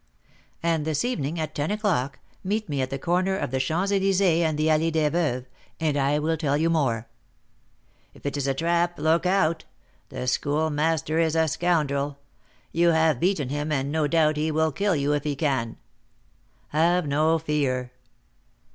"And this evening, at ten o'clock, meet me at the corner of the Champs Elysées and the Allée des Veuves, and I will tell you more." "If it is a trap, look out! The Schoolmaster is a scoundrel. You have beaten him, and, no doubt, he will kill you if he can." "Have no fear."